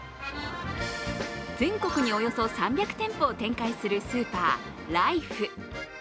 全国におよそ３００店舗を展開するスーパー、ライフ。